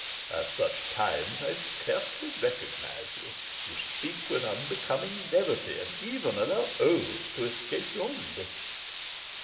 At such times I scarcely recognise you. You speak with unbecoming levity, and even allow oaths to escape your lips."